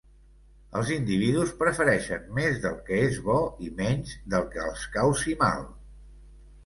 Els individus prefereixen més del que és bo i menys del que els causi mal.